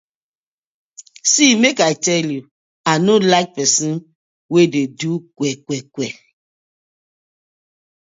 See mek I tell yu, I no like pesin wey de do kwe kwe kwe.